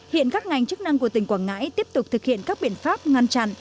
hiện các ngành chức năng của tỉnh quảng ngãi tiếp tục thực hiện các biện pháp ngăn chặn